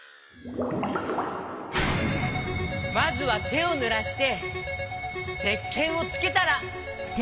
まずはてをぬらしてせっけんをつけたら。